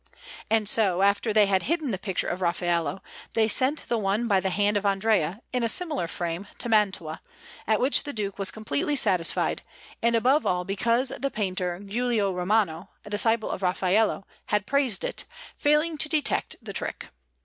And so, after they had hidden the picture of Raffaello, they sent the one by the hand of Andrea, in a similar frame, to Mantua; at which the Duke was completely satisfied, and above all because the painter Giulio Romano, a disciple of Raffaello, had praised it, failing to detect the trick.